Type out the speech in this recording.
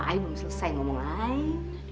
ai belum selesai ngomong lain